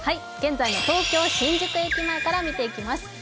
現在の東京・新宿駅前から見ていきます。